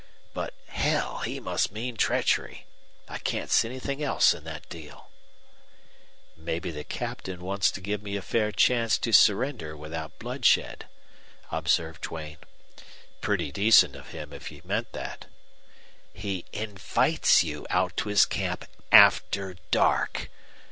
But, hell! he must mean treachery. I can't see anything else in that deal." "Maybe the Captain wants to give me a fair chance to surrender without bloodshed," observed Duane. "Pretty decent of him, if he meant that." "He INVITES YOU out to his camp AFTER DARK.